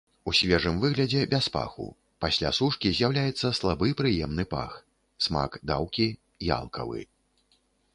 У свежым выглядзе без паху, пасля сушкі з'яўляецца слабы прыемны пах, смак даўкі, ялкавы.